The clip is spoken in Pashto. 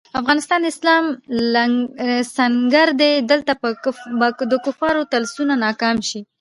افغانستان د اسلام سنګر دی، دلته به د کفارو طلسمونه ناکام شي.